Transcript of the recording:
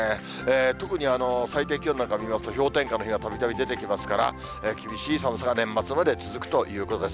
特に最低気温なんかを見ますと、氷点下の日はたびたび出てきますから、厳しい寒さは年末まで続くということです。